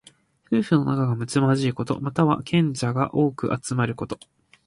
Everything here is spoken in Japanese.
夫婦の仲がむつまじいこと。または、賢者が多く集まること。